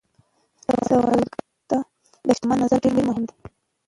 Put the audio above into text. سوالګر ته د شتمن نظر ډېر مهم دی